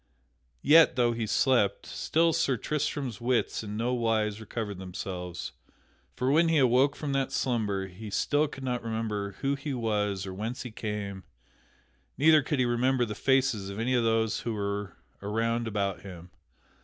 Yet, though he so slept, still Sir Tristram's wits in no wise recovered themselves; for when he awoke from that slumber he still could not remember who he was or whence he came, neither could he remember the faces of any of those who were around about him.